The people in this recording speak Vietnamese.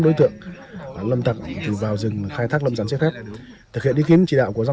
đối tượng lâm tặc thì vào rừng khai thác lâm sản xe khác thực hiện ý kiến chỉ đạo của giám